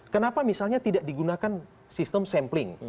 kenapa misalnya tidak digunakan sistem sampling